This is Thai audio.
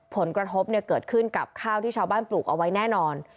ผลกระทบเกิดขึ้นกับข้าวที่ชาวบ้านปลูกเอาไว้แน่นอน